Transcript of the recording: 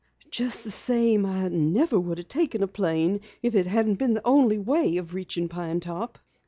"Just the same I never would have taken a plane if it hadn't been the only way of reaching Pine Top."